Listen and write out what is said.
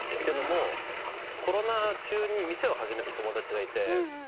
というのもコロナ中に店を始めた友達がいて。